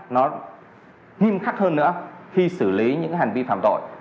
nó nghiêm khắc hơn nữa khi xử lý những hành vi phạm tội